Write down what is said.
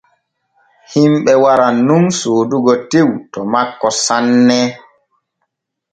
Himɓe waran nun soodugo tew to makko sanne.